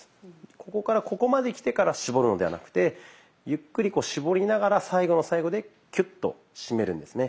ここからここまできてから絞るのではなくてゆっくりこう絞りながら最後の最後でキュッと締めるんですね。